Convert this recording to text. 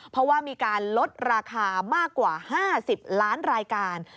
เพราะว่ามีการลดราคามากกว่า๕๐ล้านรายการ